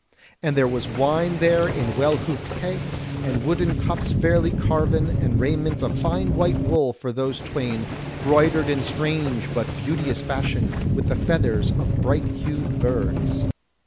And there was wine there in well hooped kegs, and wooden cups fairly carven, and raiment of fine white wool for those twain, broidered in strange but beauteous fashion with the feathers of bright hued birds.